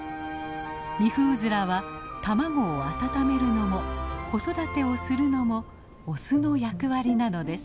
ミフウズラは卵を温めるのも子育てをするのもオスの役割なのです。